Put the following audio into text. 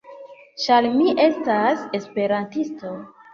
Ĉar mi estas esperantisto.